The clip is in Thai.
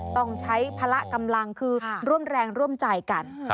ต้องใช้พละกำลังคือร่วมแรงร่วมใจกัน